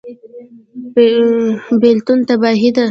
بیلتون تباهي ده